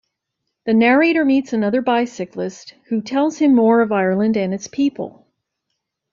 The narrator meets another bicyclist who tells him more of Ireland and its people.